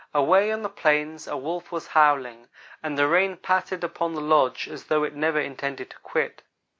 Away off on the plains a wolf was howling, and the rain pattered upon the lodge as though it never intended to quit.